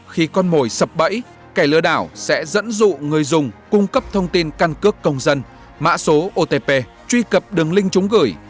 khi con mồi sập bẫy cải lừa đảo sẽ dẫn dụ người dùng cung cấp thông tin căn cước công dân mã số otp truy cập đường link chúng gửi